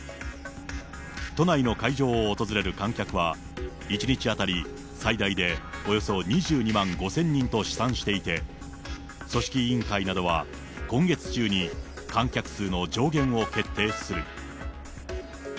都内の会場を訪れる観客は、１日当たり最大でおよそ２２万５０００人と試算していて、組織委員会などは今月中に観客数の上限を決定する。